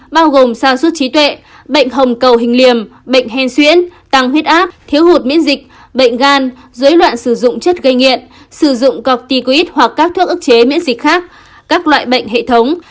bao gồm xa suốt trí tuệ bệnh hồng cầu hình liềm bệnh hen xuyễn tăng huyết áp thiếu hụt miễn dịch bệnh gan dối loạn sử dụng chất gây nghiện sử dụng cọc ticoid hoặc các thuốc ức chế miễn dịch khác các loại bệnh hệ thống